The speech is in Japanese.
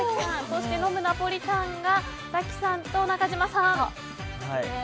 そして、飲むナポリタンが早紀さんと中島さん。